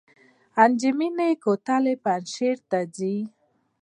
انجمین کوتل پنجشیر ته ځي؟